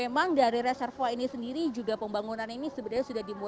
dan memang dari reservoir ini sendiri juga pembangunannya ini sebenarnya sudah dimulai